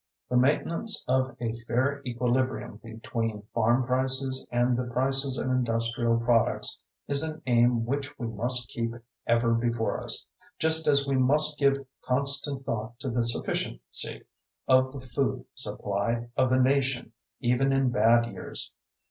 The maintenance of a fair equilibrium between farm prices and the prices of industrial products is an aim which we must keep ever before us, just as we must give constant thought to the sufficiency of the food supply of the nation even in bad years.